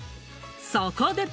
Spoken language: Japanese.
そこで。